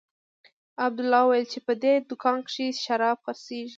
عبدالله وويل چې په دې دوکانو کښې شراب خرڅېږي.